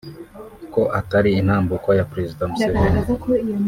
ko atari intambuko ya Perezida Museveni